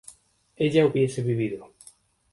ella hubiese vivido